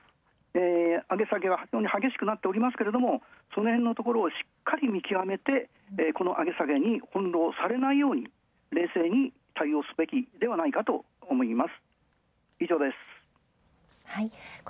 上げ下げは激しくなってますけれどもそのへんのところをしっかり見極めてこの上げ下げに翻弄されないように冷静に対応すべきではないかと思います。